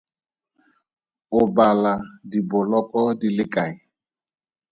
O bala diboloko di le kae?